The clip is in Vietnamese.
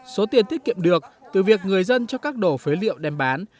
số tiền tiết kiệm được từ việc người dân cho các đồ phế liệu đem bán